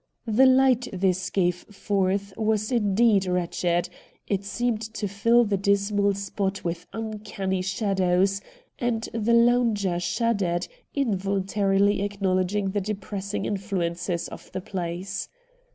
The light this gave forth was indeed wretched ; it seemed to fill the dismal spot with uncanny shadows, and the lounger shuddered, involuntarily WHAT HAPPENED IN ST. JAMES'S ST. 109 acknowledging the depressing influences of the place.